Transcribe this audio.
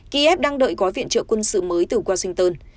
kiev đang đợi gói viện trợ quân sự mới từ washington